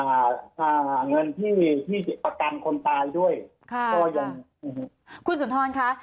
เงินที่ที่ประกันคนตายด้วยค่ะค่ะค่ะคุณสุนทรค่ะ